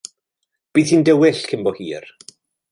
Bydd hi'n dywyll cyn bo hir.